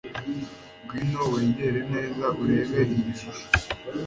Ngwino wegere neza urebe iyi shusho.